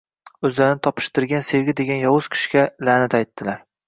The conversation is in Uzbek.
O’zlarini topishtirgan Sevgi degan “yovuz kuch” ga la’nat aytdilar!